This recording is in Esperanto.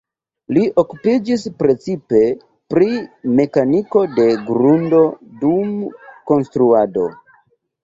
Li okupiĝis precipe pri mekaniko de grundo dum konstruado.